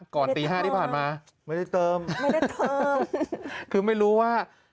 ตีห้าที่ผ่านมาไม่ได้เติมไม่ได้เติมคือไม่รู้ว่า